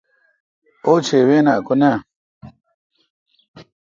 اوچھی وین ہکہ نہ۔